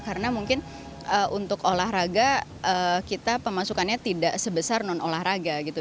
karena mungkin untuk olahraga kita pemasukannya tidak sebesar non olahraga gitu